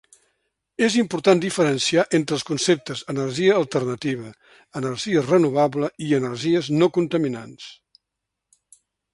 És important diferenciar entre els conceptes energia alternativa, energia renovable i energies no contaminants.